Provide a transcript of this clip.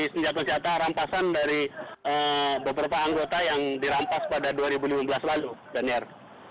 senjata senjata rampasan dari beberapa anggota yang dirampas pada dua ribu lima belas lalu daniar